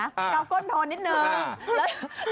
กาวก้อนโทนนิดหนึ่ง